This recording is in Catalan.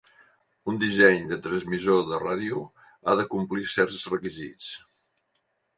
Un disseny de transmissor de ràdio ha de complir certs requisits.